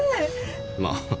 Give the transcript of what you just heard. まあ。